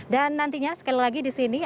dan nantinya sekali lagi di sini